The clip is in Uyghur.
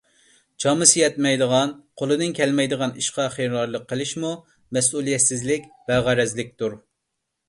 چامىسى يەتمەيدىغان، قولىدىن كەلمەيدىغان ئىشقا خېرىدارلىق قىلىشمۇ مەسئۇلىيەتسىزلىك، بەغەرەزلىكتۇر.